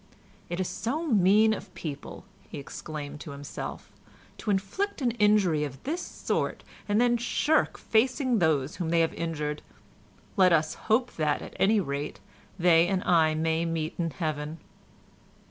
"It is so mean of people," he exclaimed to himself, "to inflict an injury of this sort, and then shirk facing those whom they have injured; let us hope that, at any rate, they and I may meet in Heaven."